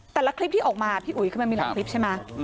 แต่ละคลิปที่ออกมาพี่อุ๋ยคือมันมีหลายคลิปใช่ไหม